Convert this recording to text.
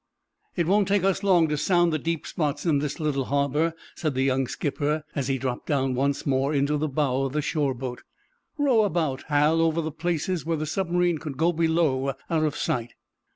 "It won't take us long to sound the deep spots in this little harbor," said the young skipper, as he dropped down once more into the bow of the shore boat. "Row about, Hal, over the places where the submarine could go below out of sight."